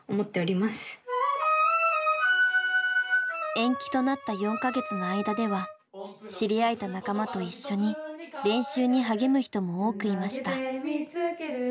延期となった４か月の間では知り合えた仲間と一緒に練習に励む人も多くいました。